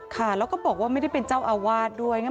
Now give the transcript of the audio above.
ค่ะแล้วก็บอกว่าไม่ได้เป็นเจ้าอาวาสด้วย